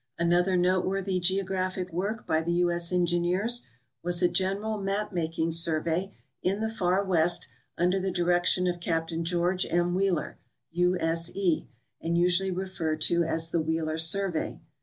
Another noteworthy geographic Avork by the U. S. Engineers was a general map making survey in the far west under the di rection of Capt. George M. Wheeler, U. S. E., and usually referred to as the Wheeler survey.